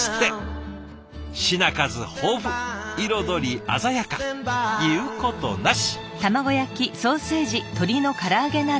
品数豊富彩り鮮やか言うことなし！